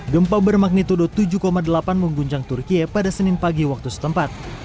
gempa bermagnitudo tujuh delapan mengguncang turkiye pada senin pagi waktu setempat